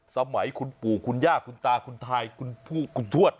สมัยคุณปู่คุณย่าคุณตาคุณทายคุณทวด